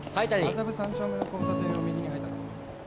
麻布３丁目の交差点を右に入ったとこ。